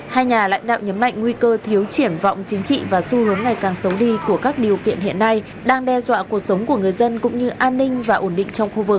hai nhà lãnh đạo nhấn mạnh nguy cơ thiếu triển vọng chính trị và xu hướng ngày càng xấu đi của các điều kiện hiện nay đang đe dọa cuộc sống của người dân cũng như an ninh và ổn định trong khu vực